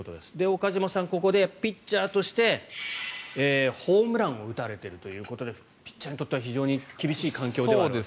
岡島さん、ここでピッチャーとしてホームランを打たれているということでピッチャーにとっては非常に厳しい環境ではあると。